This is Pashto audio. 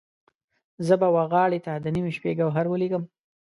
زه به وغاړې ته د نیمې شپې، ګوهر ولیکم